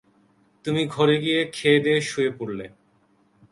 তুমি ঘরে গিয়ে খেয়ে দেয়ে শুয়ে পড়লে।